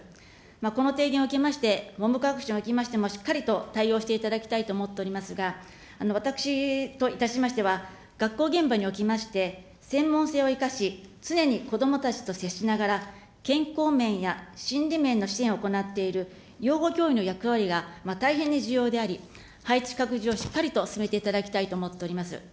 この提言を受けまして、文部科学省におきましてもしっかりと対応していただきたいと思っておりますが、私といたしましては、学校現場におきまして、専門性を生かし、常に子どもたちと接しながら健康面や心理面の支援を行っている養護教諭の役割が大変に重要であり、配置拡充をしっかりと進めていただきたいと思っております。